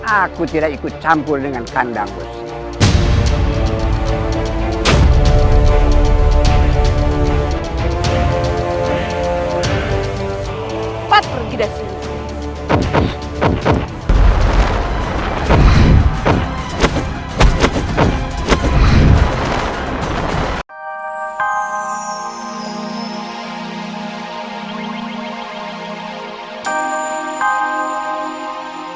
aku tidak ikut campur dengan kandang wesi